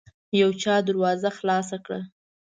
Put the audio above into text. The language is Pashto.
يو چا دروازه خلاصه کړه.